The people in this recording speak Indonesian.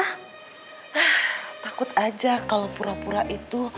ah takut aja kalau pura pura itu